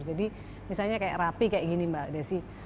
jadi misalnya kayak rapi kayak gini mbak desy